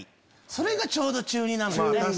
それがちょうど中２なのよね